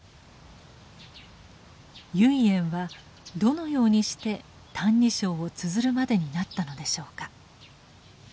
唯円はどのようにして「歎異抄」をつづるまでになったのでしょうか。